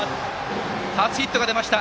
初ヒットが出ました。